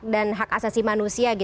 dan hak asasi manusia